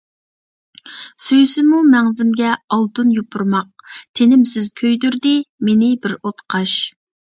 سۆيسىمۇ مەڭزىمگە ئالتۇن يوپۇرماق، تىنىمسىز كۆيدۈردى مېنى بىر ئوتقاش.